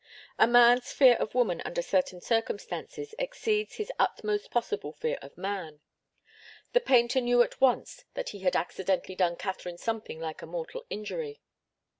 A man's fear of woman under certain circumstances exceeds his utmost possible fear of man. The painter knew at once that he had accidentally done Katharine something like a mortal injury.